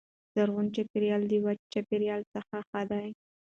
زرغون چاپیریال د وچ چاپیریال څخه ښه دی.